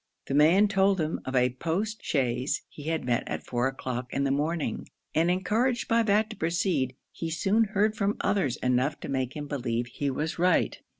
The man told him of a post chaise he had met at four o'clock in the morning; and encouraged by that to proceed, he soon heard from others enough to make him believe he was right.